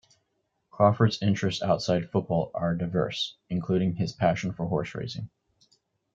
Crawford's interests outside football are diverse, including his passion for horse racing.